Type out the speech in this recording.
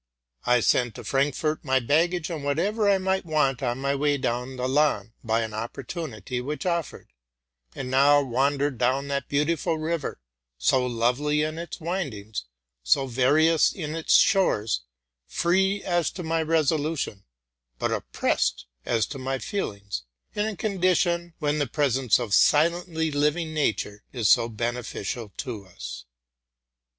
I sent to Frankfort my baggage, and whatever I might want on my way down the Lahn, by an opportunity which offered, and now wandered down that beautiful river, so lovely in its windings, so various in its shores, free as to my resolution, but oppressed as to my feelings, — in a condition when the presence of silently living nature is so beneficial to us.